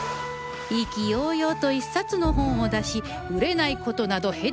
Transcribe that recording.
意気揚々と一冊の本を出し売れない事など屁でもない